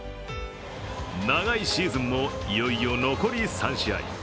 長いシーズンもいよいよ残り３試合。